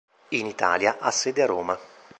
In Italia ha sede a Roma.